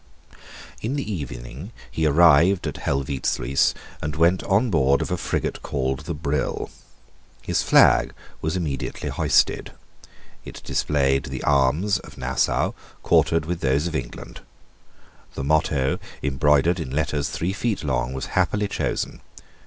In the evening he arrived at Helvoetsluys and went on board of a frigate called the Brill. His flag was immediately hoisted. It displayed the arms of Nassau quartered with those of England. The motto, embroidered in letters three feet long, was happily chosen.